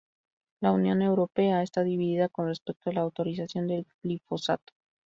La Unión Europea está dividida con respecto a la autorización del glifosato.